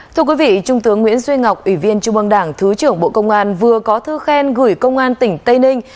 thưa quý vị trung tướng nguyễn duy ngọc ủy viên trung băng đảng thứ trưởng bộ công an vừa có thư khen gửi công an tỉnh tây ninh